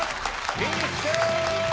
フィニッシュ！